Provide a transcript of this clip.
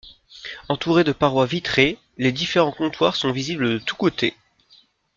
Entourés de parois vitrées, les différents comptoirs sont visibles de tous côtés.